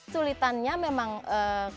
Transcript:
sulitannya memang kemampuan